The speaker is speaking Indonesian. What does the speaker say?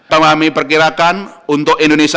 kami perkirakan untuk indonesia